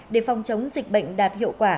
để phòng chống dịch bệnh đạt hiệu quả